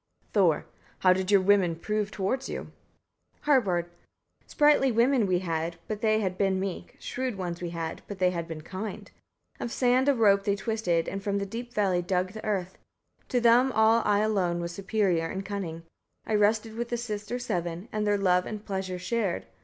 Thor. 17. How did your women prove towards you? Harbard. 18. Sprightly women we had, had they but been meek; shrewd ones we had, had they but been kind. Of sand a rope they twisted, and from the deep valley dug the earth: to them all I alone was superior in cunning. I rested with the sisters seven, and their love and pleasures shared.